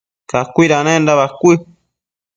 cacuidanenda bacuë